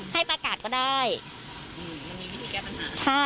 ให้ประกาศก็ได้มันมีวิธีแก้ปัญหา